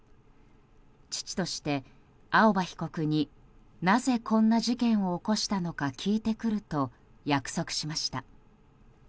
父として青葉被告になぜこんな事件を起こしたのか聞いてくると約束しました。